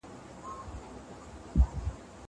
زه اوس قلم استعمالوموم!!